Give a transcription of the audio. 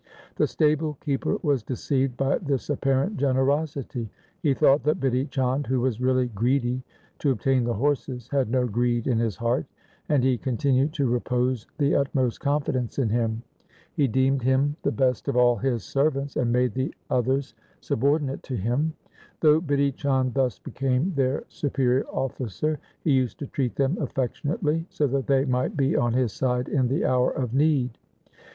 The stable keeper was deceived by this apparent generosity. He thought that Bidhi Chand, who was really greedy to obtain the horses, had no greed in his heart, and he continued to repose the utmost confidence in him. He deemed him the best of all his servants and made the others sub LIFE OF GURU HAR GOBIND 163 ordinate to him. Though Bidhi Chand thus became their superior officer, he used to treat them affec tionately, so that they might be on his side in the hour of need.